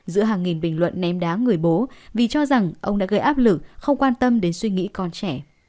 giữa hàng nghìn bình luận ném đá người bố vì cho rằng ông đã gây áp lực không quan tâm đến suy nghĩ con trẻ